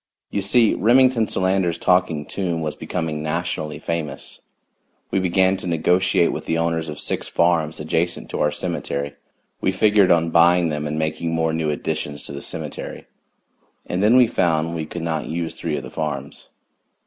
You see Remington Solander's Talking Tomb was becoming nationally famous. We began to negotiate with the owners of six farms adjacent to our cemetery; we figured on buying them and making more new additions to the cemetery. And then we found we could not use three of the farms.